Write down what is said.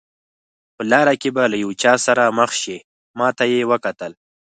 په لاره کې به له یو چا سره مخ شئ، ما ته یې وکتل.